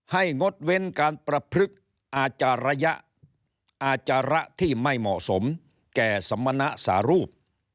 งดเว้นการประพฤกษ์อาจารยะอาจาระที่ไม่เหมาะสมแก่สมณะสารูป